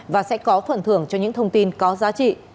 và sẽ có phần thưởng cho những thông tin có giá trị